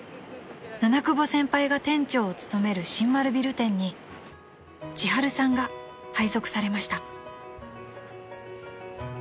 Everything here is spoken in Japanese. ［七久保先輩が店長を務める新丸ビル店に千春さんが配属されました］